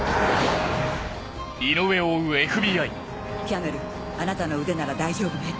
キャメルあなたの腕なら大丈夫ね？